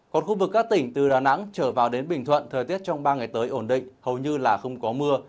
còn khu vực các tỉnh từ đà nẵng trở vào đến bình thuận thời tiết trong ba ngày tới ổn định hầu như là không có mưa